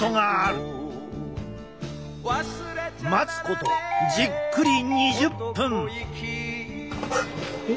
待つことじっくり２０分。